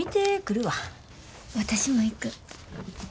私も行く。